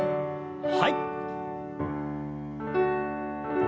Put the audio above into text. はい。